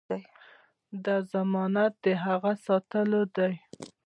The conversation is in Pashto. دا ضمانت د هغه ساتلو دی.